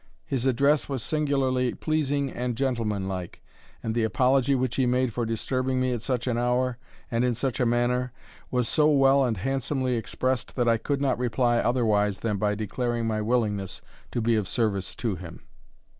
His address was singularly pleasing and gentlemanlike, and the apology which he made for disturbing me at such an hour, and in such a manner, was so well and handsomely expressed, that I could not reply otherwise than by declaring my willingness to be of service to him.